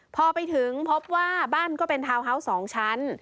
พอไปถึงพบว่าบ้านก็เป็นทาวน์ฮาวส์๒ชั้น